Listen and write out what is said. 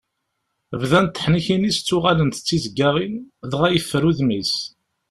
Bdant teḥnikin-is ttuɣalent d tizeggaɣin, dɣa yeffer udem-is.